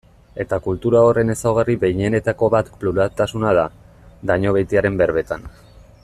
Eta kultura horren ezaugarri behinenetako bat pluraltasuna da, Dañobeitiaren berbetan.